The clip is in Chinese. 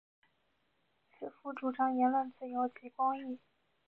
此赋主张言论自由及公义。